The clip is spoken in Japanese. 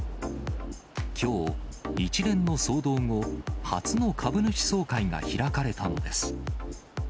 きょう、一連の騒動後、初の株主総会が開かれたのです。